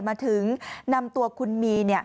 มาถึงนำตัวคุณมี